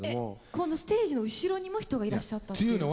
このステージの後ろにも人がいらっしゃったっていう。